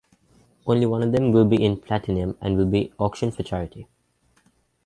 Only one of them will be in platinum and will be auctioned for charity.